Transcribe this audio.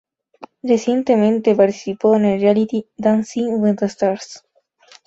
Recientemente participó en el reality "Dancing with the stars".